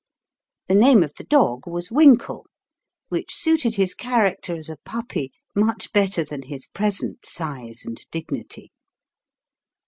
The name of the dog was Winkle, which suited his character as a puppy much better than his present size and dignity.